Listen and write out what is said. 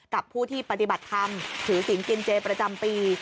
กับผู้ที่ปฏิบัติธรรมถือศิลปกินเจประจำปี